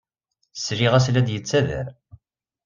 Sliɣ-as la d-yettader.